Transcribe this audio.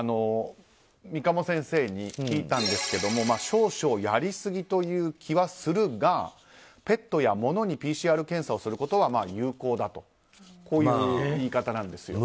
三鴨先生に聞いたんですけども少々やりすぎという気はするがペットや物にＰＣＲ検査をすることは有効だとこういう言い方なんです。